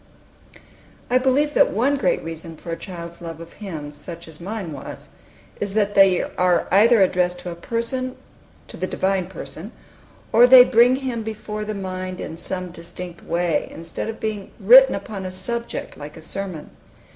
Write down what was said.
I believe that one great reason for a child's love of hymns, such as mine was, is that they are either addressed to a Person, to the Divine Person, or they bring Him before the mind in some distinct way, instead of being written upon a subject, like a sermon.